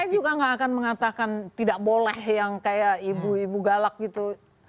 saya juga nggak akan mengatakan tidak boleh yang kayak ibu ibu galak gitu